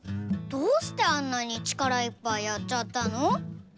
どうしてあんなに力いっぱいやっちゃったの？